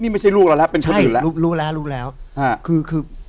นี่ไม่ใช่ลูกเราแล้วเป็นคนอื่นแล้วรู้รู้แล้วรู้แล้วอ่าคือคือ